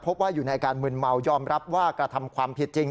พบว่าอยู่ในอาการมึนเมายอมรับว่ากระทำความผิดจริง